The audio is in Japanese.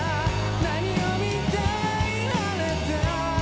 「何を見ていられた？」